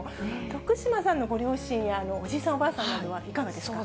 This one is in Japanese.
徳島さんのご両親やおじいさん、おばあさんなどはいかがですか？